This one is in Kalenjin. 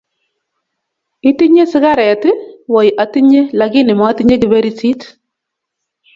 Itinye sigaret ii? "Woi atinye, lakini matinye kiperitit".